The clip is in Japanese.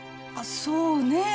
あっそうね。